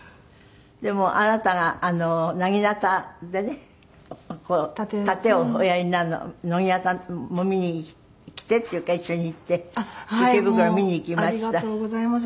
でもあなたがなぎなたでね殺陣をおやりになるの野際さんも見に来てって言うから一緒に行って池袋へ見に行きました。